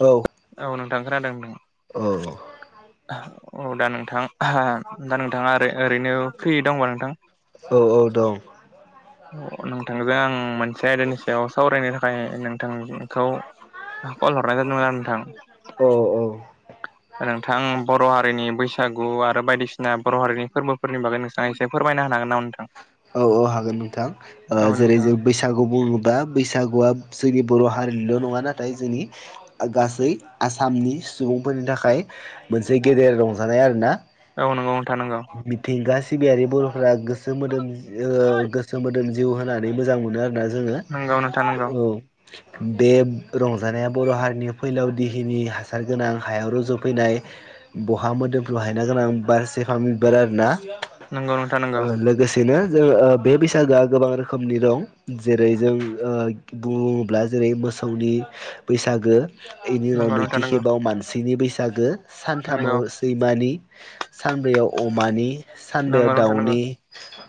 औ औ नोंथां खोनादों नोंथां औ। औ दा नोंथां दा नोंथाङा ओरै-ओरैनो फ्रियै दंबा नोंथां? औ औ दं। [unintelligible] नोंथांजों आं मोनसे आयदानि सायाव सावरायनो थाखाय नोंथांखौ कल हरनाय जादोंमोन आरो नोंथां। औ अ नोंथां बर' हारिनि बैसागु आरो बायदिसिना बर' हारिनि फोर्बोफोरनि बागै नों आ फोरमायनो होनो हागोन नामा नोंथां? औ औ होगोन नोंथां। जेरै जों बै सागु बुङोबा बैसागुआ जोंनि बर' हारिनिल' नङा नाथाय जोंनि ओ गासै आसामनि सुबुंफोरनि थाखाय मोनसे गेदेर रंजानाय आरोना। औ नोंगौ नोंथा नोंगौ। मिथिंगा सिबियारि बरफोरा गोसो मोदोम ओ गोसो मोदोन जिउ होनानै मोजां मोनो आरोना जोङो औ। बे रंजानाया बर' हारिनि फैलाव दिहिनि हासार गोनां हायाव रज'फैनाय। बहा मोदोमफ्रु हायना गोनां बारसे फामे बिबार आरोना। नंगौ नोंथां नंगौ ओ लोगोसेनो जों ओ बे बैसागोआ गोबां रोखोमनि दं। जेरै जों ओ बुङोब्ला जेरै मोसौनि बैसागो। बेनि उनाव नंगौ नैथि नोंथां नंगौ खेबाव मानसिनि बैसागो। नंगौ सानथामाव सैमानि, सानब्रैयाव अमानि, सानबायाव नोंथां नंगौ दाउनि,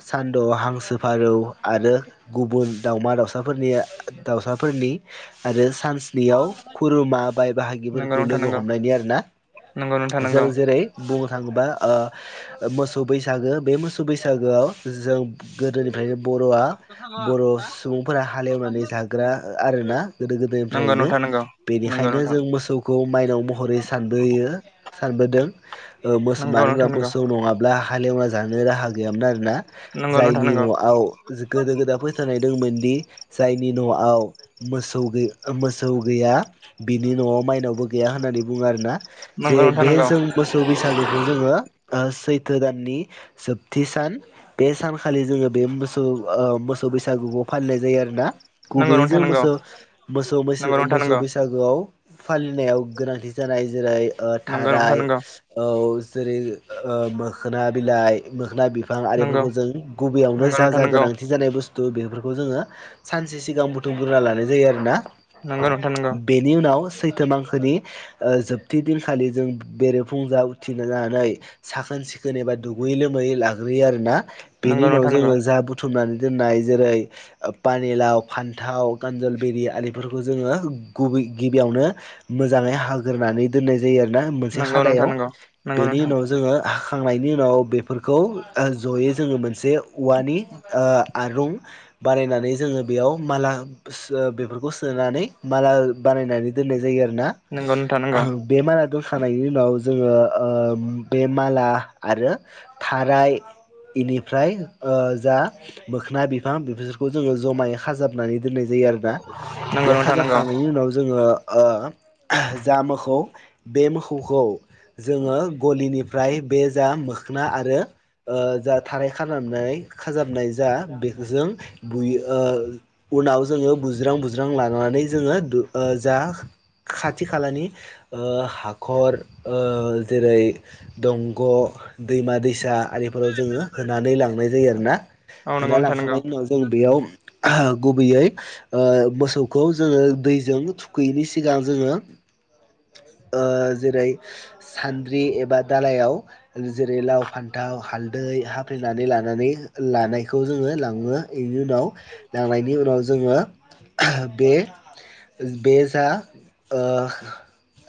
सान द'आ हांसो फारौ आरो गुबुन दाउमा दाउसाफोरनिया दाउसाफोरनि। आरो सानस्नि बेयाव खुरुमा बाय नंगौ बाहागिफोरखौ नोंथां लोगो नंगौ हमनायनि आरोना। नंगौ नंगौ जों जेरै बुंनो थाङोबा ओ मोसौ बैसागो बे मोसौ बैसागोआव जों गोदोनिफ्रायनो बर'आ बर' सुबुंफोरा हालेवनानै जाग्रा आरोना गोदो गोदायनिफ्रायनो। नोंथां नंगौ नंगौ नोंथां नंगौ बेनिखायनो नोंथां नंगौ जों मोसौखौ माइनाव महरै सानबोयो सानबोदों। ओ मोस नंगौ मानो होनबा नोंथां नंगौ नोंथां नंगौ नोंथां नंगौ मोसौ नङाब्ला हालेवना जानो राहा गैयामोन आरोना। नंगौ नोंथां जायनि नंगौ न' आव गोदो गोदाय फोथायनाय दोंमोन दि जायनि न'आव मोसौ गै मोसौ गैया बिनि न'आव माइनावबो गैया होननानै बुङो आरोना। जे नंगौ नोंथां बे नंगौ जों मोसौ बैसागोखौ जोङो ओ सैथो दाननि जोबथि सान बे सानखालि जोङो बे मोसौ ओ मोसौ बैसागुखौ फालिनाय जायो आरोना। नंगौ गुबैयै नोंथां जों नंगौ मोसौ मोसौ नंगौ मैसो नोंथां मोसौ नंगौ बै सागुआव फालिनायाव गोनांथि जानाय जेरै ओ थाराय औ जेरै ओ मोखोना बिलाइ मोखोना बिफां नंगौ आरिफोरखौ जों गुबैयावनो जा नोंथां जा नंगौ गोनांथि जानाय बुस्थु बेफोरखौ जोङो सानसे सिगां बुथुमग्रोना लानाय जायो आरोना। नोंगौ नोंथा नोंगौ। बेनि उनाव सैथो मांखोनि ओ जोबथि दिनखालि जों बेरेफुंजा उथिनानै साखोन सिखोन एबा दुगै लोमै लाग्रोयो आरोना बेनि उनाव नोंथां नंगौ जोङो जा बुथुमनानै दोननाय जेरै ओ पानिलाव, फान्थाव, गानजल बिरि आरिफोरखौ जोङो गुबै गिबियावनो मोजाङै हाग्रोनानै दोननाय जायो आरोना मोनसे नंगौ नोंथां खादायाव। नंगौ नंगौ नोंथां नंगौ बेनि उनाव जोङो खांनायनि उनाव बेफोरखौ जयै जोङो मोनसे औवानि ओ आरुं बानायनानै जोङो बेयाव माला बेफोरखौ सोनानै माला बानायनानै दोननाय जायो आरोना। नोंगौ नोंथा नोंगौ। बे माला दोनखांनायनि उनाव जोङो ओ बे माला आरो थाराय बेनिफ्राय ओ जा मोखना बिफां बेफोरखौ जोङो जमायै खाजाबनानै दोननाय जायो आरोना नंगौ बे नोंथां नंगौ खाजाबखांनायनि उनाव जोङो ओ जा मोखौ बे मोखौखौ जोङो गलिनिफ्राय बे जा मोखोना आरो ओ जा थाराय खानानै खाजाबनाय जा बेजों बुयो ओ उनाव जोङो बुज्रां बुज्रां लानानै जोङो द जा। खाथि खालानि हाखर जेरै दंग' दैमा दैसा आरिफोर फोराव जोङो होनानै लांनाय जायो आरोना होनानै नोंथां नंगौ लांखांनायनि उनाव उम बेयाव गुबैयै मोसौखौ जोङो दैजों थुखैयैनि सिगां जोङो ओ जेरै सान्द्रि एबा दालायाव जेरै लाव फान्थाव हालदै हा फैनानै लानानै लानायखौ जोङो लाङो बेनि उनाव लांनायनि उनाव जोङो बे बे जा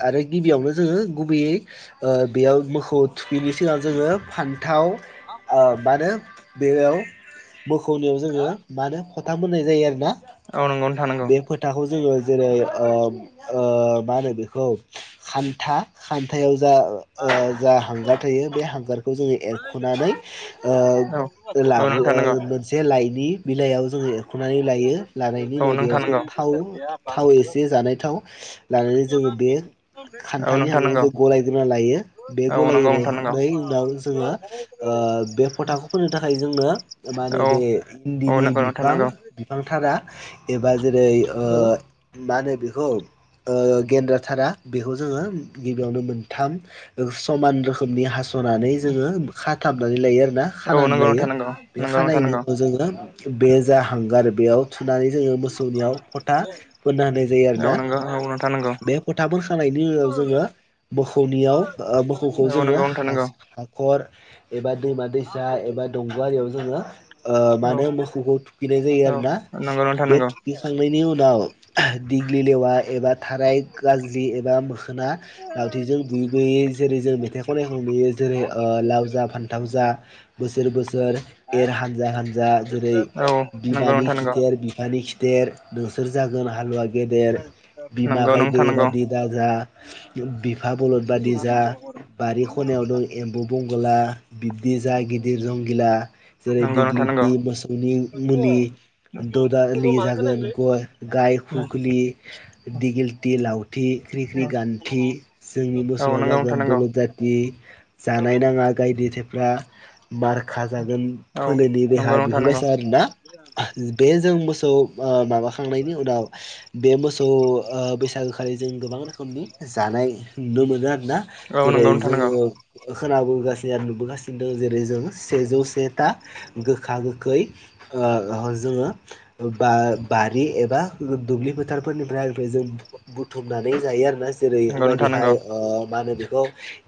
आरो गिबियावनो जोङो गुबैयै बेयाव मोसौ थुखैनि सिगां जोङो फान्थाव हा ओ मानो बेयाव मोखौनायाव जोङो मा होन फथाम मोननाय जायो आरोना बे फोथ थाखौ जोङो जेरै मा होनो बेखौ खान्था खान्थायाव जा जा हांगार थायो बे हांगारखौ जोङो एरख'नानै ओ नंगौ नोंथां लाङो नंगौ मोनसे लाइनि बिलाइयाव जोङो सुनानै लायो औ नंगौ नोंथां नंगौ औ नंगौ नोंथां नंगौ औ लानायनि उनाव बेयाव नोंथां जों नंगौ थाव थाव एसे जानाय थाव लानानै जोङो बे औ नोंथां नंगौ औ खान्थानि नोंथां होखौ नंगौ जों गलायग्रोना लायो बे औ नंगौ नोंथां नंगौ गलायग्रोनाय उनाव जोङो ओ बे फथाखौ फोननो थाखाय जोंनो मा औ होनो बे औ इन्दिनि नंगौ नोंथां बिफां नंगौ बिफांथारा एबा जेरै मा होनो बेखौ गेन्द्रा थारा बेखौ जोङो गिबियावनो मोनथाम समान रोखोमनि हास'नानै जोङो खाथाबनानै लायो आरो ना औ खानानै नंगौ लायो नोंथां नंगौ बे नंगौ नोंथां खानायनि नंगौ जोङो बे जा हांगार बेयाव थुनानै जोङो मोसौनियाव फथा फोनना होनाय जायो औ आरोना नंगौ औ नंगौ बे फोथा फोनखांनायनि उनाव जोङो मोखौनियाव मोखौखौ औ जोङो नंगौ नोंथां नंगौ हाखर एबा दैमा दैसा एबा दंग'आरियाव जोङो ओ औ मानो मोखौखौ थुखैनाय जायो आरो ना नंगौ नोंथां नांगौ थांनायनि उनाव दिग्लि लेवा एबा थाराइ गाज्रि एबा मोखोना लावथिजों बुयै बुयै जेरै जों मेथाइ खननायखौ नुयो जेरै लाव जा फान्थाव जा बोसोर बोसोर एर हानजा हानजा जेरै औ नंगौ बिमानि नोंथां नंगौ खिथेर बिफानि खिथेर नोंसोर जागोन हालुवा गेदेर बिमा नंगौ गायद नोंथां नंगौ बादि दाजा बिफा बलद बादि जा बारि खनायाव दं एम्बु बंगला बिब्दि जा गिदिर जंगिला जेरै नंगौ नोंथां नंगौ दिग्लिथि मोसौनि मुलि ददालि जागोन गय गाय औ खुखलि दिगिलिति लावथि ख्रिख्रि गान्थि। जोंनि मोसौआ नंगौ नोंथां जागोन नंगौ बर' जाथि जानाय ना [unintelligible] गायदे थेफ्रा मारखा जागोन औ फोलनि नंगौ देहा नोंथां नंगौ बिफोरबाया आरोना? बे जों मोसौ ओ माबाखांनायनि उनाव बे मोस सौ ओ बैसागोखालि जों गोबां रोखोमनि जानाय नुनो मोनो आरो ना? औ जेरै जोङो नंगौ खोनाबगासिनो आरो नुबोगासिनो दों जेरै जों सेजौ सेथा गोखा गोखै ओ ह जोङो बा-बारि एबा दुब्लि फोथार फोरनिफ्राय ओमफाय जों बु-बुथुमनानै जायो आरोना नोंथां जेरैबायदिहाय नंगौ ओ मा होनो बेखौ?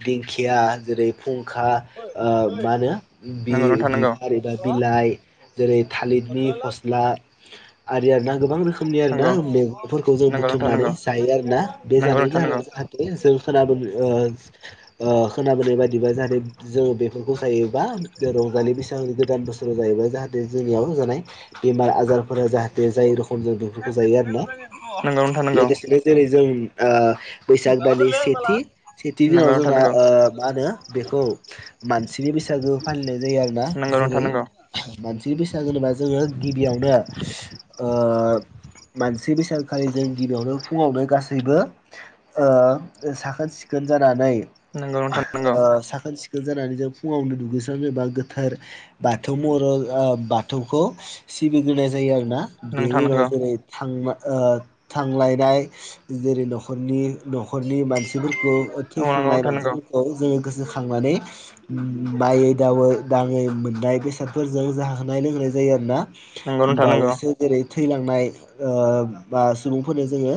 दिंखिया जेरै फुंखा ओ मा होनो बि नंगौ नोंथां नंगौ बिफारि एबा बिलाइ। जेरै थालिदनि फस्ला आरि आरोना गोबां रोखोमनि आरो ना नंगौ मेग फोरखौ जों नोंथां बुथुमनानै नंगौ जायो आरोना बे नंगौ नंगौ जानाय नोंथां जाहोन नंगौ जा [unintelligible] जों खोना बोनो ओ ओ खोनाबोनाय बायदिबा जाहाथे जों बेफ मुंख'खायोबा ओ रंजालि बैसागोनि गोदान बोसोराव जायोबा जाहाथे जोंनियाव जानाय बेमार आजारफोरा जाहाथे जायै रखम जों बेफोरखौ जायो आरो ना? नोंगौ नो लोगोसेनो जेरै जों ओ बैसाग दानि सेथि सेथि दिनाव जोंना ओ मा होनो बेखौ मानसिनि बैसागो फालिनाय जायो आरो ना नंगौ नोंथां जेरै नंगौ मानसिनि बैसागो होनोबा जोङो गिबियावनो ओ मानसि बैसाग खालि जों गिबियावनो फुङावनो गासैबो ओ साखोन सिखोन जानानै नंगौ नोंथां नंगौ नोंथां नंगौ ओ साखोन सिखोन जानानै जों फुङावनो दुगैस्रां जेनबा गोथार बाथौ महराव ओ बाथौखौ सिबिग्रोनाय जायो आरोना? बेनि नोंथां उनाव नंगौ जेरै थां मा ओ थांलायनाय जेरै न'खरनि न'खरनि मानसिफोरखौ उद औ नंगौ थैखांनाय नोंथां नंगौ मानसिफोरखौ जोङो गोसोखांनानै मायै दावै दाङै मोननाय बेसादफोरजों जाहोनाय लोंहोनाय जायो आरोना? नंगौ नोंथां नंगौ बावैसो जेरै थैलांनाय ओ बा सुबुंफोरनो जोङो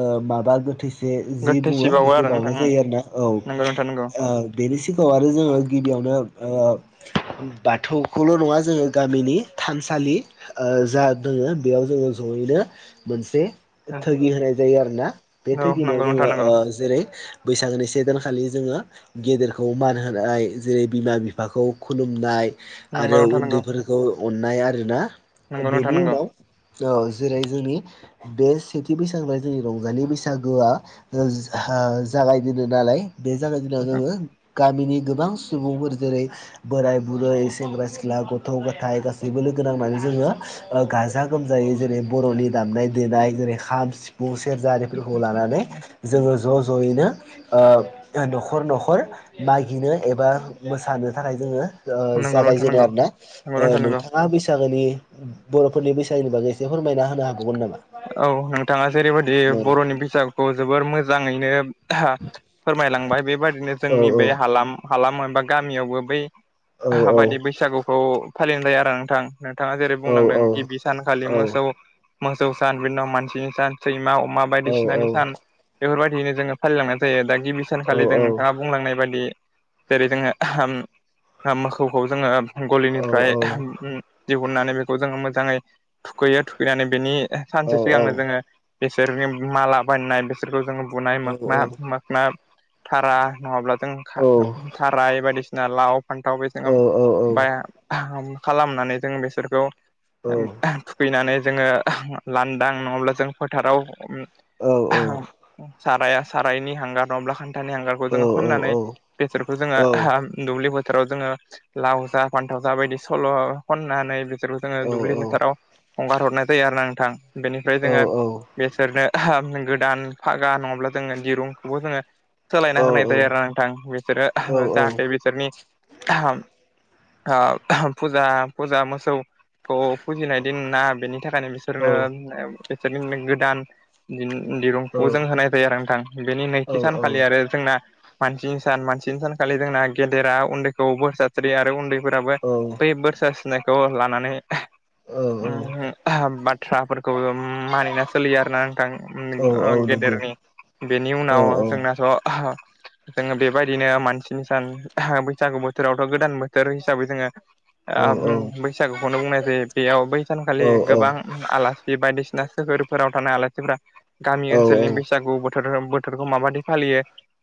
ओ माबा गोथैस जे जि बुङो गोथैसिबावो बेखौ आरो नोंथां बावनाय जायो आरोना औ नंगौ नोंथां नंगौ ओ बेनि सिगाङाव आरो जोङो गिबियावनो ओ बाथौखौल' नङा जोङो गामिनि थानसालि ओ जा दोङो बेयाव जोङो जयैनो मोनसे औ थोगि होनाय जायो आरोना बे थोगि होनाव नंगौ जोङो नोंथां नंगौ ओ जेरै बैसागोनि से दानखालि जोङो गेदेरखौ मान होनाय जेरै बिमा बिफाखौ खुलुमनाय। नंगौ आरो नोंथां नंगौ उन्दैफोरखौ अननाय आरोना ओ नंगौ नोंथां बेनि नंगौ उनाव औ जेरै जोंनि बे सेथि बैसागोबा जोंनि रंजालि बैसागोआ ओज हा जागायजेनो नालाय बे जागाय नोंथां जेननायाव जोङो गामिनि गोबां सुबुंफोर जेरै बोराय बुरै सेंग्रा सिख्ला गथ' गथाय गासैबो लोगो नांनानै जोङो ओ गाजा गोमजायै जेरै बर'नि दामनाय देनाय जेरै खाम सिफुं सेरजा आरिफोरखौ लानानै जोङो ज' ज'यैनो ओ न'खर न'खर मागिनो एबा मोसानो थाखाय जोङो ओ नंगौ नोंथां जागायजेनो नंगौ आरोना नंगौ ओ नोंथां नंगौ नोंथाङा बैसागोनि बर'फोरनि बैसागुनि बागै एसे फोरमायना होनो हाबावगोन नामा? औ नोंथाङा जेरैबायदि औ बर'नि बिजाबखौ जोबोर मोजाङैनो फोरमायलांबाय बेबादिनो औ जोंनि बे हालाम हालाम एबा गामियावबो बै औ बायदि बैसागुखौ फालिनाय जायो आरो नोंथां नोंथाङा जेरै बुंलांदों गिबि औ सानखालि मोसौ सौ सान बिनि उनाव मानसिनि सान सैमा अमा औ बायदिसिनानि औ सान बेफोरबायदिनो जोङो फालिलांनाय जायो दा गिबि औ सानखालिजों नोंथाङा बुंलांनाय बादि जेरै जोङो मोखौखौ जोङो गलिनिफ्राय औ औ औ दिहुननानै बेखौ जोङो मोजाङै थुखैयो थुखैनानै बेनि औ सानसे सिगांनो जोङो बिसोरनि माला बायनाय बिसोरखौ जोङो बुनाय मोखना ना थारा नङाब्ला जों था थाराय बायदिसिना लाव फान्थाव बे ओम बाया खालामनानै जों बेसोरखौ [unintelligible] फैनानै जोङो लांदां नङाब्ला जों फोथाराव उम [unintelligible] साराया सारायनि हांगार नङाब्ला खान्थानि हांगार खौ जोङो फोननानै बेसोरखौ जोङो दुब्लि बोथोराव जोङो लाव जा फान्थाव जा बायदि सल' खननानै बिसोरखौ जोङो दुब्लि बोथोराव हगार हरनाय जायो आरोना नोंथां। बेनिफ्राय जोङो बेसोरनो गोदान फागा नङाब्ला जोङो दिरुंखौबो जोङो सोलायना होनाय जायो आरो नोंथां। बिसोरो जाहाथे बिसोरनि [unintelligible] ओ [unintelligible] फुजा फुजा मोसौ- खौ फुजिनाय दिनना बेनि थाखायनो बिसोरनो इसोरनि गोदान दिन दिरुंखौ जों होनाय जायो आरो नोंथां। बेनि नैथि औ औ सानखालि औ आरो जोंना मानसिनि सान मानसिनि सानखालि जोंना गेदेरा उन्दैखौ बोर सास्रियो आरो उन्दै फोराबो औ बै बोर सारस्रिनायखौ लानानै औ उमहो [unintelligible] बाथ्राफोर खौ मानिना सोलियो आरोना नोंथां। उम औ ओ औ नंगौ गेदेरनि बेनि औ उनाव औ जोंना थ' [unintelligible] जोङो बेबायदिनो मानसिनि सान [unintelligible] बैसागु बोथोरावथ' गोदान बोथोर हिसाबै जोङो औ आ उम बैसागुखौनो बुंनाय जायो। बेयाव बै औ सानखालि गोबां आला सि बायदिसिना सोहोरफोराव थानाय आलासिफोरा औ गामि ओनसोलनि बैसागु बो- गो बोथोरखौ माबायदि फालियो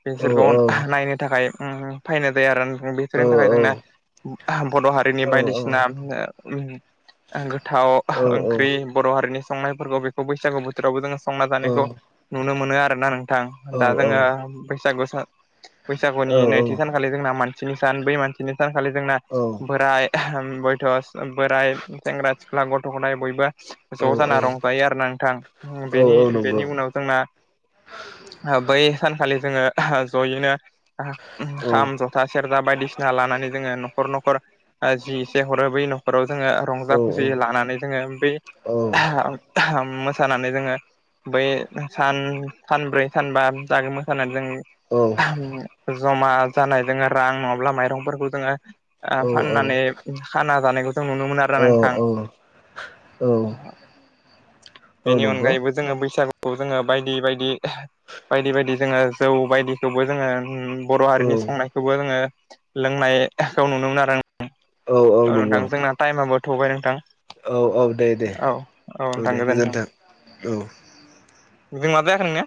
बिसोरखौ [unintelligible] नायनो थाखाय उम फैनाय जायो आरो बेफोरोरनि थाखाय जोंना [unintelligible] बर' हारिनि बायदिसिना उम ओ गोथाव ओंख्रि बर' हारिनि संनायफोरखौ बेखौ बैसागु बो- थोरावबो जोङो संना जानायखौ नुनो मोनो आरोना नोंथां। दा जोङो बैसागु सा- बैसागुनि नैथि सानखालि जोंना मानसिनि सान बै मानसिनि सानखालि जोंना बोराय [unintelligible] बयथ'स बोराइ सेंग्रा सिख्ला गथ' गथाय बयबो औ ज' जाना रंजायो आरो नोंथांनि उ बेनि औ नंगौ औ नंगौ औ बेनि नंगौ उनाव जोंना ओ बै सानखालि जोङो जयैनो खाम ज था सेरजा बायदिसिना लानानै जोङो न'खर न'खर ओ जि एसे हरो बै नखराव जोङो रंजा खुसि लानानै जोङो बै [unintelligible] मोसानानै जोङो बै सान सानब्रै सानबा जागोन मोसानानै जों औ उ जमा जानाय जोङो रां नङाब्ला माइरंफोरखौ जोङो आ फाननानै खाना जानायखौ थो नुनो मोनो आरोना नोंथां। बेनि अनगायैबो जोङो बैसागु खौ जोङो बायदि बायदि बायदि बायदि जोङो जौ बायदिखौबो जोङो उम बर' हारिनि संनायखौबो जोङो लोंनायखौ नुनो मोनो आरो नों- औ नोंथां जोंना टाइमाबो थबाय नोंथां औ औ दे दे औ औ नोंथां दे गोजोनथों गोजोन्थों औ जों माजाखो नोंनिया